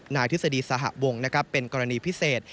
นายธิษฎีสหะวงศ์เป็นกรณีพิเศษ